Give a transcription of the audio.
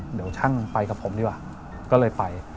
เดี๋ยวช่างไปกับผมดีกว่าก็เลยไป